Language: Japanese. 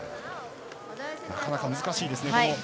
なかなか難しいですね。